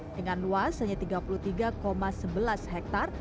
dengan luas hanya tiga puluh tiga sebelas hektare